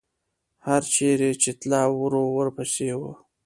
هر چېرې چې تله، وری ورپسې و.